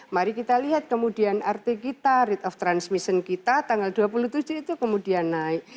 mari kita lihat kemudian rt kita rate of transmission kita tanggal dua puluh tujuh itu kemudian naik